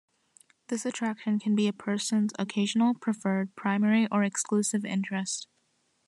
This attraction can be a person's occasional, preferred, primary, or exclusive interest.